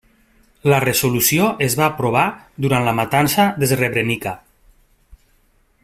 La resolució es va aprovar durant la matança de Srebrenica.